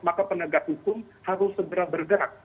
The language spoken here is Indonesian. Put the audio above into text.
maka penegak hukum harus segera bergerak